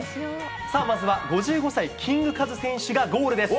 まずは５５歳、キングカズ選手がゴールです。